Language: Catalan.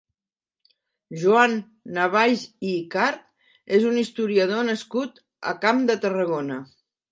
Joan Navais i Icart és un historiador nascut a Camp de Tarragona.